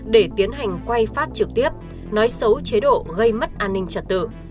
để tiến hành quay phát trực tiếp nói xấu chế độ gây mất an ninh trật tự